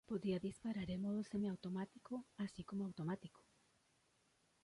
Podía disparar en modo semiautomático, así como automático.